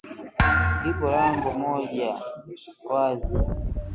Liko lango moja wazi.